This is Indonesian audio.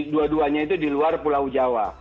dua duanya itu di luar pulau jawa